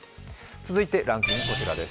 続いてランキングです。